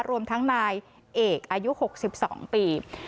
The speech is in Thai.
รวมทั้งนายเอกอายุ๖๒ปี